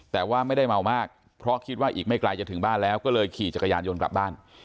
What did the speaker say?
แต่ว่าไม่ได้เมามากเพราะคิดว่าอีกไม่ไกลจะถึงบ้านแล้วก็เลยขี่จักรยานยนต์กลับบ้าน